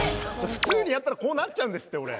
普通にやったらこうなっちゃうんですって俺。